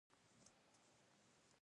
او د خلکو منډه نو ما ولیدله ؟